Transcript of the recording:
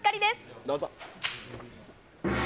どうぞ。